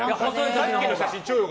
さっきの写真、超いいよ。